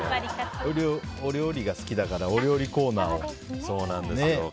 お料理が好きだからお料理コーナーをね。